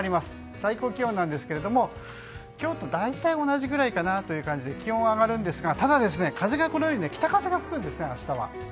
最高気温なんですが今日と大体同じぐらいな感じで気温が上がりますがただ、風がこのように北風が吹くんですね、明日は。